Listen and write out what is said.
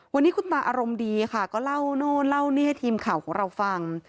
วันนี้คุณตาอารมณ์ดีค่ะก็เล่าโน่นเล่านี่ให้ทีมข่าวของเราฟัง